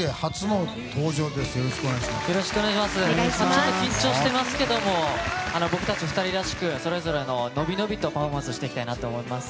ちょっと緊張していますけど僕たち２人らしくそれぞれ、のびのびとパフォーマンスしていきたいなと思います。